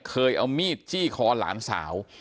เคยเอามีดจี้คอหลานสาว